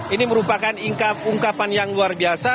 ini merupakan ungkapan yang luar biasa